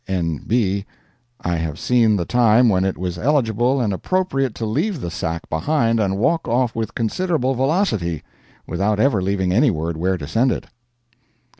N. B. I have seen the time when it was eligible and appropriate to leave the sack behind and walk off with considerable velocity, without ever leaving any word where to send it.